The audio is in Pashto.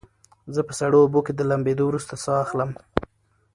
زه په سړو اوبو کې د لامبېدو وروسته ساه اخلم.